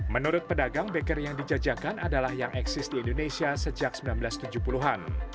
menurut pedagang beker yang dijajakan adalah yang eksis di indonesia sejak seribu sembilan ratus tujuh puluh an